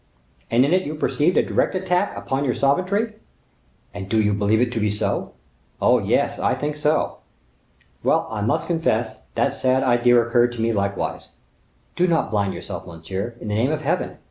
"And in it you perceived a direct attack upon your sovereignty?" "And do you believe it to be so?" "Oh, yes, I think so." "Well, I must confess, that sad idea occurred to me likewise." "Do not blind yourself, monsieur, in the name of Heaven!